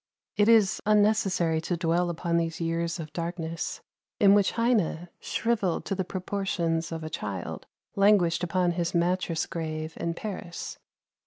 It is unnecessary to dwell upon these years of darkness, in which Heine, shriveled to the proportions of a child, languished upon his "mattress grave" in Paris.